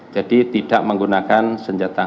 jadi tidak menggunakan senjata api